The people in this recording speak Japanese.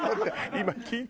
今聞いた？